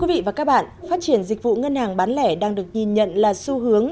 quý vị và các bạn phát triển dịch vụ ngân hàng bán lẻ đang được nhìn nhận là xu hướng